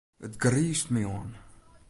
It griist my oan.